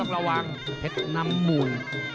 แพ็ดน้ำมูล